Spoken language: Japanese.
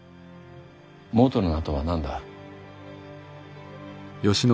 もとの名とは何だ？